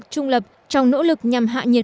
trung lập trong nỗ lực nhằm hạ nhiệt